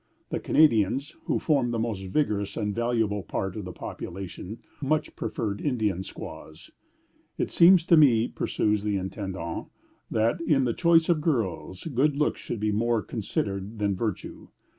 " The Canadians, who formed the most vigorous and valuable part of the population, much preferred Indian squaws. "It seems to me," pursues the intendant, "that in the choice of girls, good looks should be more considered than virtue."